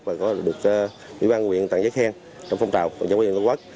và có được ủy ban nguyện tặng giá khen trong phong trào của dân quân dân tổ quốc